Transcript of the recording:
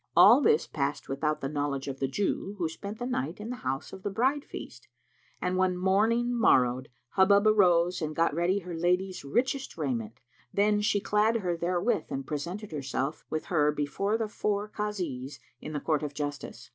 All this passed without the knowledge of the Jew, who spent the night in the house of the bridefeast. And when morning morrowed, Hubub arose and gat ready her lady's richest raiment; then she clad her therewith and presented herself with her before the four Kazis in the court of justice.